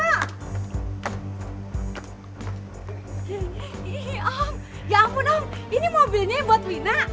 ih om ya ampun om ini mobilnya buat wina